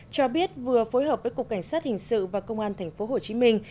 cho biết vừa phối hợp với cục cảnh sát hình sự và công an tp hồ chí minh